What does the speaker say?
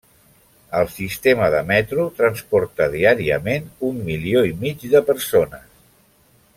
El sistema de metro transporta diàriament un milió i mig de persones.